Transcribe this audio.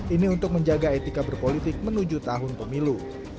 ini untuk menjaga etika berpolitik menuju tahun pemilu